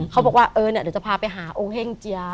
เขาบอกว่าเออเนี่ยเดี๋ยวจะพาไปหาองค์เฮ่งเจีย